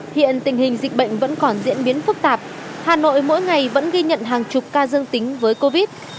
hiện tình hình dịch bệnh vẫn còn diễn biến phức tạp hà nội mỗi ngày vẫn ghi nhận hàng chục ca dương tính với covid